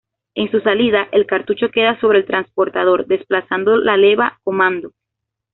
En su salida, el cartucho queda sobre el transportador, desplazando la leva comando.